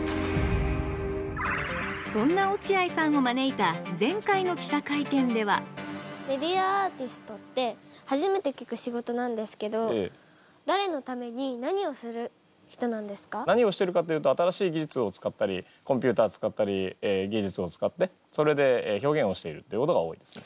そんな落合さんを招いた前回の記者会見ではメディアアーティストって初めて聞く仕事なんですけど何をしてるかっていうと新しい技術を使ったりコンピューター使ったり技術を使ってそれで表現をしているっていうことが多いですね。